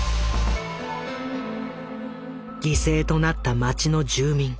犠牲となった町の住民